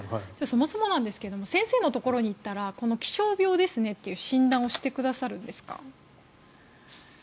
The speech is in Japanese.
そもそもなんですが先生のところに行ったら気象病ですねっていう診断をしてくださるんですか？